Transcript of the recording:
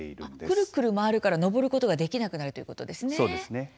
くるくる回るから登ることができなくなるということですね。